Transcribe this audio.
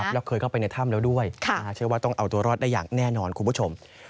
แล้วเคยเข้าไปในถ้ำแล้วด้วยเชื่อว่าต้องเอาตัวรอดได้อย่างแน่นอนคุณผู้ชม